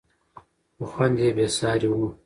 خو خوند یې بېساری و.